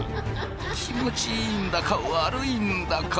気持ちいいんだか悪いんだか。